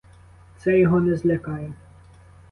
Це його не злякає.